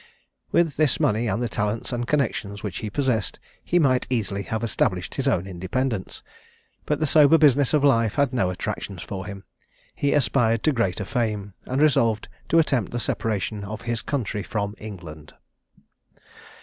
With this money, and the talents and connexions which he possessed, he might easily have established his own independence; but the sober business of life had no attractions for him; he aspired to greater fame, and resolved to attempt the separation of his country from England.